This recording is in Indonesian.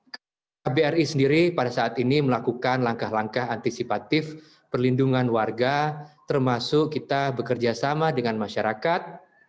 kbri sendiri pada saat ini melakukan langkah langkah antisipatif perlindungan warga termasuk kita bekerja sama dengan masyarakat